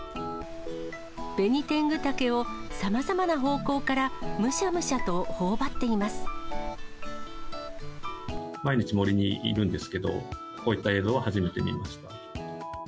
ベニテングタケをさまざまな方向からむしゃむしゃとほおばってい毎日森にいるんですけど、こういった映像は初めて見ました。